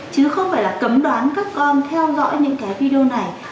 chứ không phải là cấm đoán các con theo dõi những cái video này